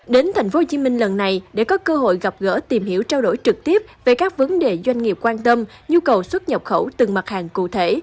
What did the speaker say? đến tp hcm lần này để có cơ hội gặp gỡ tìm hiểu trao đổi trực tiếp về các vấn đề doanh nghiệp quan tâm nhu cầu xuất nhập khẩu từng mặt hàng cụ thể